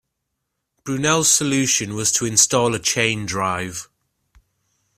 Brunel's solution was to install a chain drive.